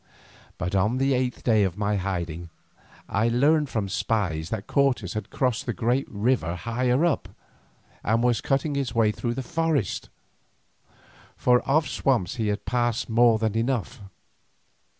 But on the eighth day of my hiding I learned from spies that Cortes had crossed the great river higher up, and was cutting his way through the forest, for of swamps he had passed more than enough.